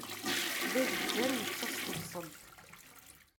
D agezzar, ičča s tebṣelt.